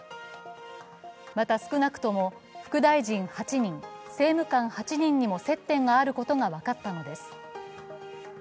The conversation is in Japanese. また少なくとも副大臣８人、政務官８人にも接点があることが分かったのです。